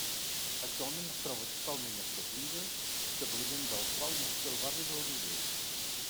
Actualment es troba totalment establida, establiment del qual nasqué el barri del Viver.